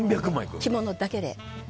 着物だけで。